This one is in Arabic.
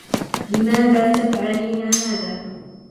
لماذا تفعلين هذا ؟